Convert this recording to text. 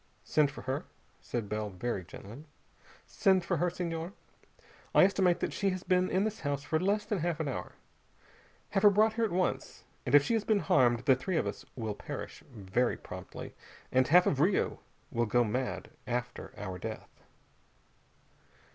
"Send for her," said Bell very gently. "Send for her, Senhor. I estimate that she has been in this house for less than half an hour. Have her brought here at once, and if she has been harmed the three of us will perish very promptly, and half of Rio will go mad after our death."